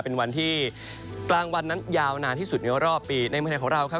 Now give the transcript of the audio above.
เป็นวันที่กลางวันนั้นยาวนานที่สุดในรอบปีในเมืองไทยของเราครับ